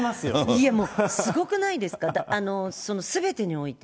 いや、もうすごくないですか、すべてにおいて。